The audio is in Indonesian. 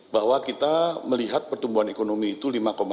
bahwa kita melihat pertumbuhan ekonomi itu lima empat